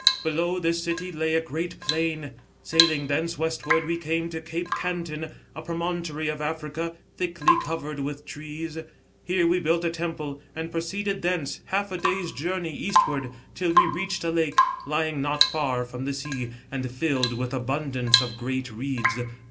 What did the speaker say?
Below this city lay a great plain. Sailing thence westward we came to Cape Cantin, a promontory of Africa thickly covered with trees. Here we built a temple, and proceeded thence^ half a day's journey eastward,, till we reached a lake, lying not far from the sea, and filled with abundance of great reeds.